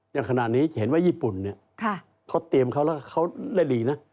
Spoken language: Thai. อย่างขนาดนี้เห็นยี่ปุ่นเขาเตรียมเขาและเขาแลกดีนะ